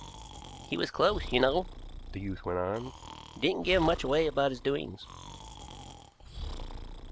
"He was close, you know," the youth went on; "didn't give much away about his doings."